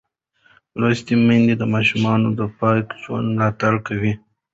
لوستې میندې د ماشومانو د پاک ژوند ملاتړ کوي.